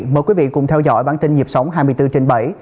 mời quý vị cùng theo dõi bản tin nhịp sống hai mươi bốn trên bảy